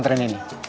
kalian bawa dulu